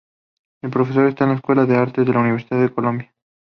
Es profesor en la Escuela de las Artes en la Universidad de Columbia.